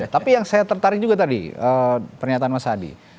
tapi yang saya tertarik juga tadi pernyataan mas adi